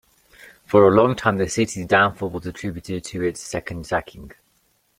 For a long time, the city's downfall was attributed to its second sacking.